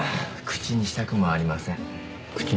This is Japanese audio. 口にしたくもありませんか。